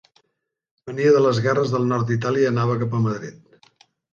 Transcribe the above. Venia de les guerres del nord d'Itàlia i anava cap a Madrid.